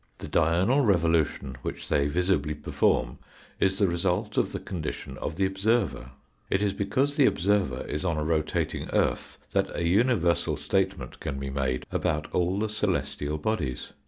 The diurnal revolution which they visibly perform is the result of the condition of the observer. It is because the observer is on a rotating earth that a universal statement can be made about all the celestial bodies.